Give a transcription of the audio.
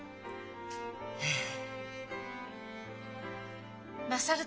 ええ。